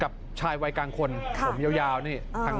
กับชายไวณกลางคนผมโยยย้าวฮะ